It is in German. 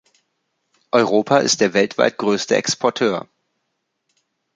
Europa ist der weltweit größte Exporteur.